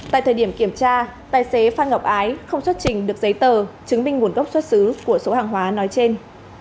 tại thời điểm kiểm tra tài xế phan ngọc ái không xuất trình được giấy tờ chứng minh nguồn gốc xuất xứ của số hàng hóa nói trên